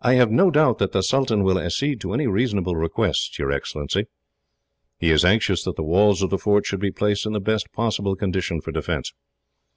"I have no doubt that the sultan will accede to any reasonable requests, your Excellency. He is anxious that the walls of the forts should be placed in the best possible condition for defence.